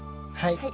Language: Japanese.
はい。